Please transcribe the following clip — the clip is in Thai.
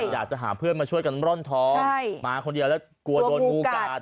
อยากจะหาเพื่อนมาช่วยกันร่อนทองมาคนเดียวแล้วกลัวโดนงูกัด